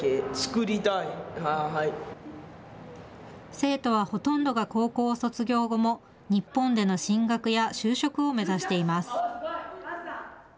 生徒はほとんどが高校を卒業後も日本での進学や就職を目指しています。